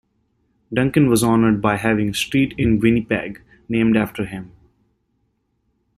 Duncan was honored by having a street in Winnipeg named after him.